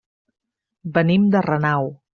Venim de Renau.